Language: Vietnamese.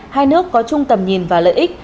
hai nước có chung tầm nhìn và lợi ích